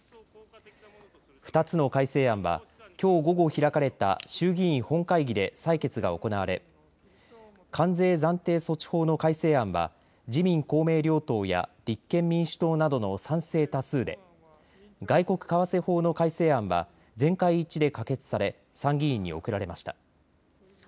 ２つの改正案はきょう午後開かれた衆議院本会議で採決が行われ、関税暫定措置法の改正案は自民公明両党や立憲民主党などの賛成多数で、外国為替法の改正案は全会一致で可決され参議院に送られました。